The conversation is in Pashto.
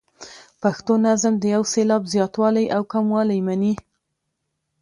پښتو نظم د یو سېلاب زیاتوالی او کموالی مني.